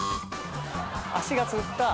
足がつった。